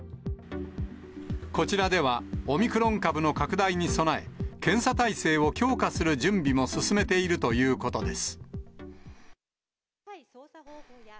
こちらでは、オミクロン株の拡大に備え、検査体制を強化する準備も進めているということです。